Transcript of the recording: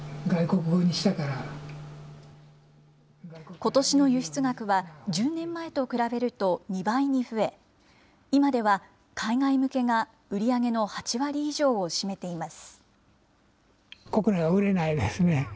ことしの輸出額は、１０年前と比べると２倍に増え、今では、海外向けが売り上げの８割以上を占めています。